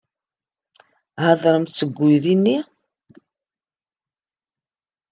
Ḥadremt seg uydi-nni!